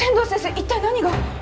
一体何が？